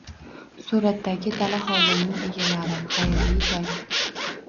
Suratdagi dala hovlining "egalari", xayrli tong!